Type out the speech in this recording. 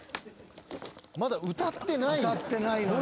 まだ歌ってないよ。